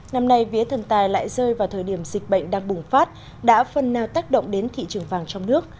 năm nay vía thần tài lại rơi vào thời điểm dịch bệnh đang bùng phát đã phần nào tác động đến thị trường vàng trong nước